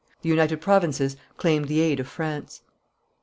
The United Provinces claimed the aid of France.